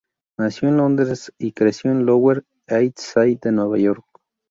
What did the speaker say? Nació en Londres, y creció en el Lower East Side de Nueva York.